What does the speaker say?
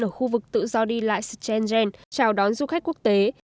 ở khu vực tự do đi lại schengen chào đón du khách quốc tế